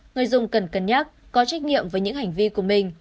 người dùng cần cân nhắc có trách nhiệm với những hành vi của mình